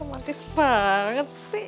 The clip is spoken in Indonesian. romantis banget sih